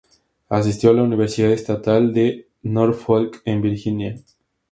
Asistió a la Universidad Estatal de Norfolk en Virginia.